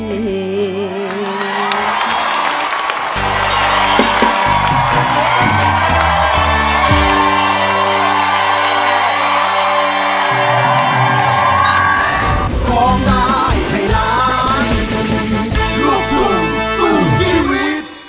โปรดติดตามตอนต่อไป